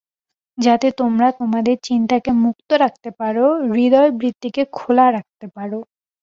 যাতে তোমরা তোমাদের চিন্তাকে মুক্ত রাখতে পারো, হূদয়বৃত্তিকে খোলা রাখতে পারো।